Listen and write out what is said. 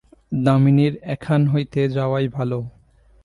দামিনীর এখান হইতে যাওয়াই ভালো।